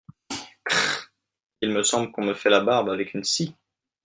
Crrrr … il me semble qu'on me fait la barbe avec une scie !